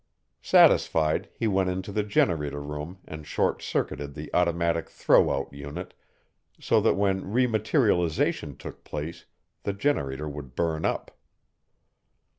Satisfied, he went into the generator room and short circuited the automatic throw out unit so that when rematerialization took place, the generator would burn up.